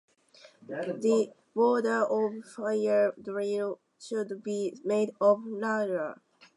The borer of the fire-drill should be made of laurel.